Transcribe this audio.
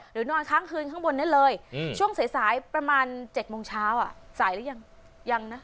หรือนอนทั้งคืนข้างบนนั้นเลยช่วงสายสายประมาณ๗โมงเช้าสายแล้วยังยังนะ